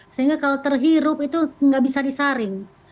sehingga kalau terhirup itu nggak bisa disaring